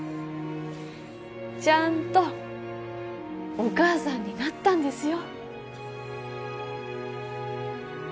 ちゃんとお母さんになったんですよ。